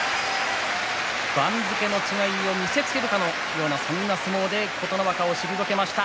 番付の違いを見せつけるかのようなそんな相撲で琴ノ若を退けました。